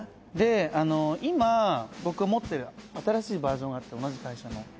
「で今僕が持ってる新しいバージョンがあって同じ会社の」